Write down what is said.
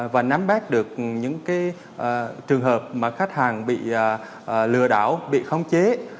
và nắm bắt được những trường hợp mà khách hàng bị lừa đảo bị khống chế